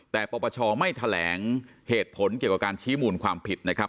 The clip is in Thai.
แต่ปปชไม่แถลงเหตุผลเกี่ยวกับการชี้มูลความผิดนะครับ